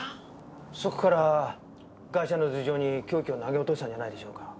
そこからガイシャの頭上に凶器を投げ落としたんじゃないでしょうか。